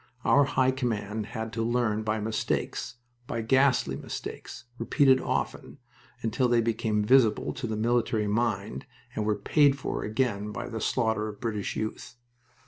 Our High Command had to learn by mistakes, by ghastly mistakes, repeated often, until they became visible to the military mind and were paid for again by the slaughter of British youth.